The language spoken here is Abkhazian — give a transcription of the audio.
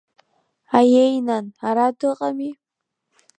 Аиеи, нан, ара дыҟами…